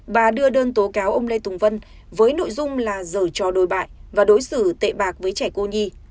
bà đưa đơn tố cáo ông lê tùng vân với nội dung là giờ trò đồi bại và đối xử tệ bạc với trẻ cô nhi